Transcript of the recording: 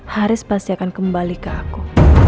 haris pasti akan kembali ke aku